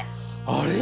あれ？